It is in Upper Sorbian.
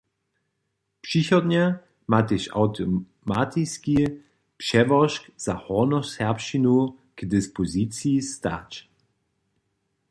Přichodnje ma tež awtomatiski přełožk za hornjoserbšćinu k dispoziciji stać.